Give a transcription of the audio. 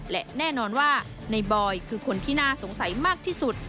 และแน่นอนว่าในบอยคือคนที่น่าสงสัยมากที่สุด